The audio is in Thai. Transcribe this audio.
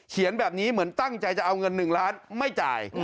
แบบนี้เหมือนตั้งใจจะเอาเงิน๑ล้านไม่จ่าย